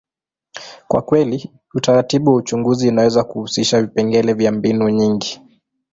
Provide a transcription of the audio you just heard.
kwa kweli, utaratibu wa uchunguzi unaweza kuhusisha vipengele vya mbinu nyingi.